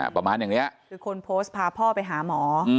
ประมาณอย่างนี้คือคนโพสต์พาพ่อไปหาหมอ